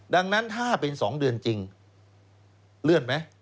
ดังนั้นถ้าเป็น๒เดือนจริงเลื่อนไหม